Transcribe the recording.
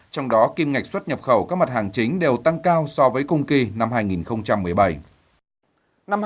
trong đó kim ngạch xuất nhập khẩu các mặt hàng chính đều tăng cao so với cùng kỳ năm hai nghìn một mươi bảy